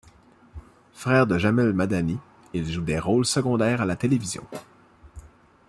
Frère de Jamel Madani, il joue des rôles secondaires à la télévision.